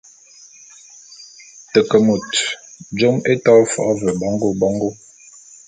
Te ke môt…jôm é to fo’o ve bongô bongô.